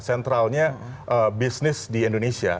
sentralnya bisnis di indonesia